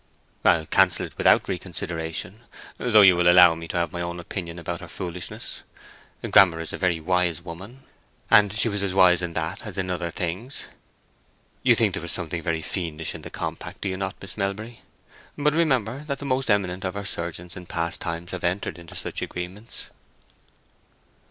"I'll cancel it without reconsideration. Though you will allow me to have my own opinion about her foolishness. Grammer is a very wise woman, and she was as wise in that as in other things. You think there was something very fiendish in the compact, do you not, Miss Melbury? But remember that the most eminent of our surgeons in past times have entered into such agreements."